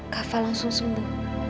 kak fadil langsung sembuh